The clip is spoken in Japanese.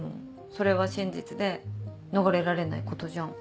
それは真実で逃れられないことじゃん。